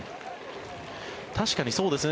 確かにそうですね。